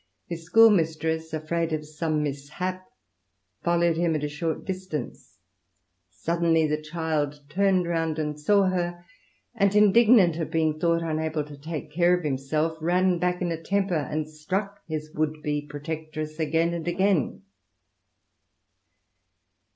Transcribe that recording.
His schoolmistress, afraid of some mishap, followed him at a short distance. Suddenly the child turned round and saw her, and indignant at being thought unable to take care of himself ran back in a temper and struck his would be protectress again and again.